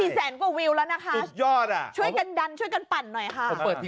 สี่แสนกว่าวิวแล้วนะคะอุจรรย์ช่วยกันดันช่วยกันปั่นหน่อยค่ะเปิด